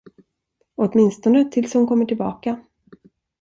Åtminstone tills hon kommer tillbaka.